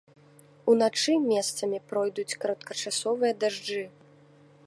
Уначы месцамі пройдуць кароткачасовыя дажджы.